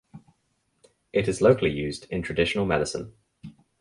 It is locally used in traditional medicine.